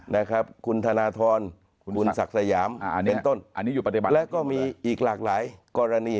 นะครับคุณธนทรคุณศักดิ์สยามเป็นต้นแล้วก็มีอีกหลากหลายกรณี